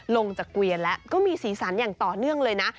ลงจากเกวียนแล้วก็มีสีสันอย่างต่อเนื่องเลยนะ